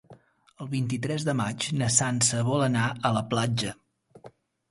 El vint-i-tres de maig na Sança vol anar a la platja.